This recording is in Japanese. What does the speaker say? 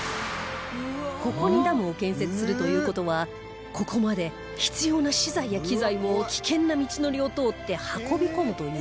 ここにダムを建設するという事はここまで必要な資材や機材を危険な道のりを通って運び込むという事